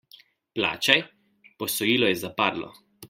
Plačaj, posojilo je zapadlo.